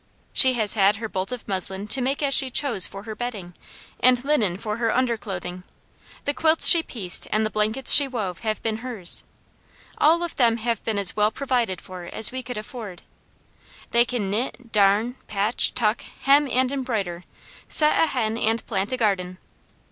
She has had her bolt of muslin to make as she chose for her bedding, and linen for her underclothing. The quilts she pieced and the blankets she wove have been hers. All of them have been as well provided for as we could afford. They can knit, darn, patch, tuck, hem, and embroider, set a hen and plant a garden.